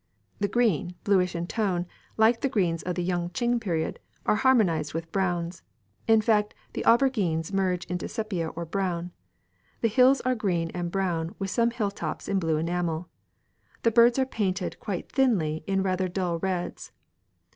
The green, bluish in tone, like the greens of the Yung ching period, are harmonised with browns; in fact, the aubergines merge into sepia or brown. The hills are green and brown with some hilltops in blue enamel. The birds are painted quite thinly in rather dull reds.